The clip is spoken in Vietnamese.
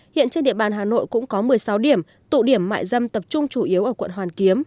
hiện trên địa bàn hà nội cũng có một mươi sáu điểm tụ điểm mại dâm tập trung chủ yếu ở quận hoàn kiếm